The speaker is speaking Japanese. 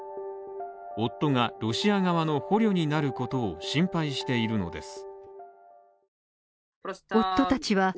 夫がロシア側の捕虜になることを心配しているのです。